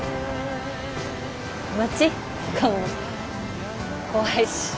街とかも怖いし。